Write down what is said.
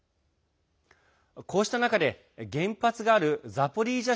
こうした中で原発があるザポリージャ